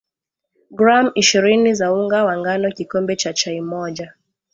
gram ishirini za unga wa ngano kikombe cha chai moja